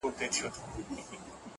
o سترگه وره مي په پت باندي پوهېږي.